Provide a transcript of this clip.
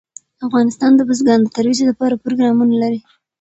افغانستان د بزګان د ترویج لپاره پروګرامونه لري.